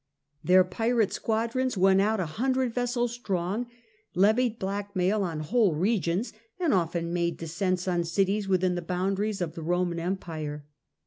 Their pirate squadrons went out a hundred vessels strong, levied blackmail on whole regions, and often made descents on cities within the boundaries of the Roman empire.